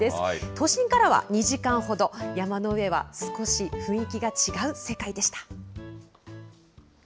都心からは２時間ほど、山の上は少し雰囲気が違う世界でした。